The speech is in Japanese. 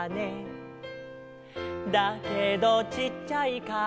「だけどちっちゃいから」